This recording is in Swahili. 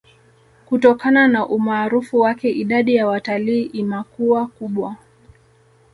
Kutokana na umaarufu wake idadi ya watalii imakuwa kubwa